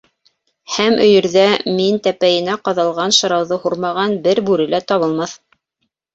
Һәм өйөрҙә мин тәпәйенә ҡаҙалған шырауҙы һурмаған бер бүре лә табылмаҫ.